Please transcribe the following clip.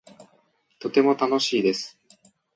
とても楽しいです